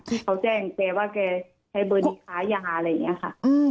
ที่เขาแจ้งแกว่าแกใช้เบอร์นี้ค้ายาอะไรอย่างนี้ค่ะ